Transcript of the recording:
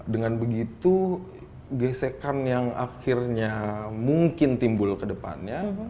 dengan begitu gesekan yang akhirnya mungkin timbul ke depannya